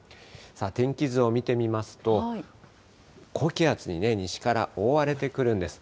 天気図を見てみますと、高気圧に西から覆われてくるんです。